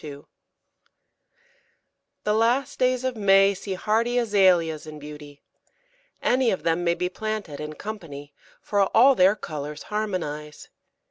] The last days of May see hardy Azaleas in beauty. Any of them may be planted in company, for all their colours harmonise.